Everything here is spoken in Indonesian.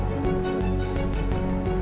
kamu cuma ngajuki di jepang